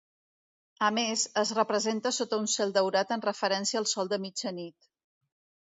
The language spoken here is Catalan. A més, es representa sota un cel daurat en referència al sol de mitjanit.